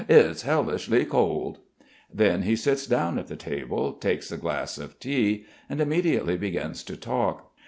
It's hellishly cold." Then he sits down at the table, takes a glass of tea and immediately begins to talk.